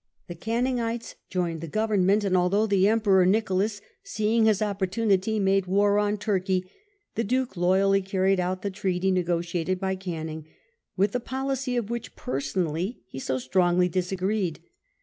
The Canning ites joined the Government ; and although the Emperor Nicholas, seeing his opportunity, made war on Turkey, the Duke loyally carried out the treaty negotiated by Canning, with the policy of which personally he so strongly disagreed.